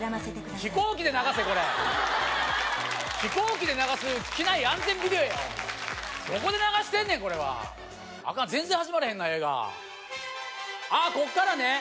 飛行機で流せこれ飛行機で流す機内安全ビデオやどこで流してんねんこれはアカン全然始まらへんな映画あっこっからね